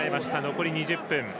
残り２０分。